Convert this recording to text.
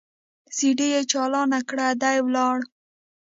سي ډي يې چالانه کړه دى ولاړ.